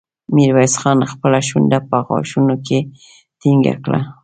ميرويس خان خپله شونډه په غاښونو کې ټينګه کړه.